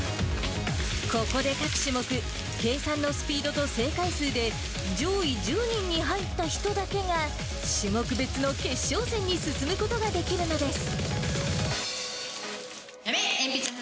ここで各種目、計算のスピードと正解数で上位１０人に入った人だけが、種目別の決勝戦に進むことができるのです。